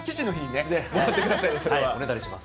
おねだりします。